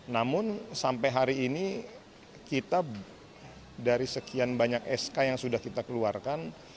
namun sampai hari ini kita dari sekian banyak sk yang sudah kita keluarkan